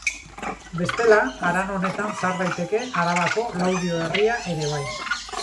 Bestela, haran honetan sar daiteke Arabako Laudio herria ere bai.